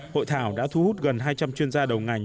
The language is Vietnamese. hội thảo đã thu hút gần hai trăm linh chuyên gia đầu ngành